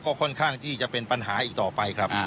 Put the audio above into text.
ก็ค่อนข้างที่จะเป็นปัญหาอีกต่อไปครับ